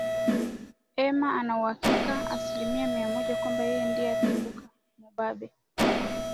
ema ana uhakika aslimia mia moja kwamba yeye ndiye ataibuka mubabe